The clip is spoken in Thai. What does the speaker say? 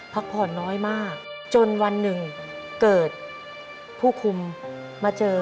พักผ่อนน้อยมากจนวันหนึ่งเกิดผู้คุมมาเจอ